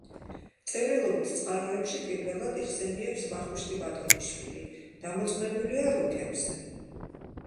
წერილობით წყაროებში პირველად იხსენიებს ვახუშტი ბატონიშვილი, დამოწმებულია რუკებზე.